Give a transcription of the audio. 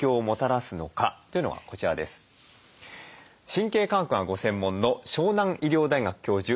神経科学がご専門の湘南医療大学教授